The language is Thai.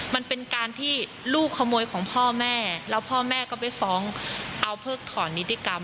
มันเป็นการที่ลูกขโมยของพ่อแม่แล้วพ่อแม่ก็ไปฟ้องเอาเพิกถอนนิติกรรม